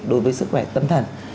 đối với sức khỏe tâm thần